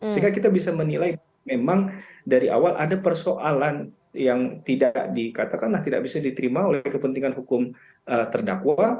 sehingga kita bisa menilai memang dari awal ada persoalan yang tidak dikatakan tidak bisa diterima oleh kepentingan hukum terdakwa